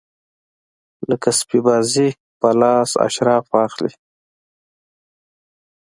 لکه سپي بازي په لاس اشراف واخلي.